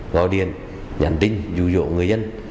gói điền nhắn tin dụ dỗ người dân